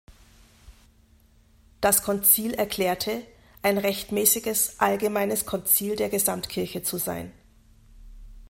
Das Konzil erklärte, ein rechtmäßiges, allgemeines Konzil der Gesamtkirche zu sein.